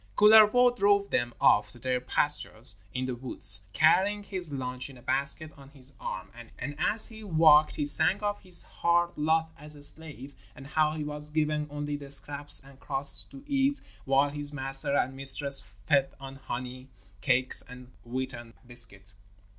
Kullervo drove them off to their pastures in the woods, carrying his lunch in a basket on his arm. And as he walked he sang of his hard lot as a slave, and how he was given only the scraps and crusts to eat, while his master and mistress fed on honey cakes and wheaten biscuit.